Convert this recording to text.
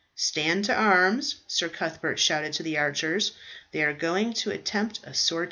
"Stand to arms!" Sir Cuthbert shouted to the archers. "They are going to attempt a sortie."